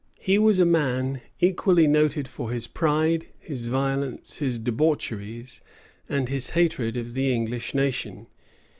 He was a man equally noted for his pride, his violence, his debaucheries, and his hatred of the English nation.